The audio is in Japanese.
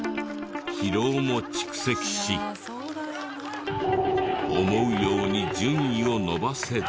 疲労も蓄積し思うように順位を伸ばせず。